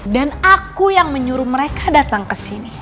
dan aku yang mengizinkan mereka datang ke sini